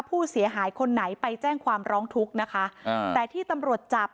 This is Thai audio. ผู้เสียหายคนไหนไปแจ้งความร้องทุกข์นะคะอ่าแต่ที่ตำรวจจับ